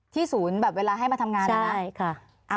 ที่ศูนย์แบบเวลาให้มาทำงานใช่ค่ะ